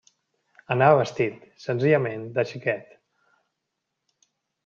Anava vestit, senzillament, de xiquet.